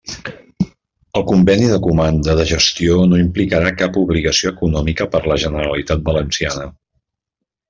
El conveni de comanda de gestió no implicarà cap obligació econòmica per la Generalitat Valenciana.